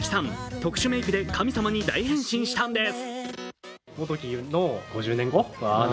特殊メイクで神様に大変身したんです。